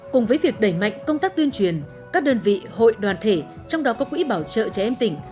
cùng với việc đẩy mạnh công tác tuyên truyền các đơn vị hội đoàn thể trong đó có quỹ bảo trợ trẻ em tỉnh